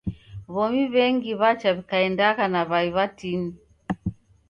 W'omi w'engi w'acha w'ikaendagha na w'ai w'atini.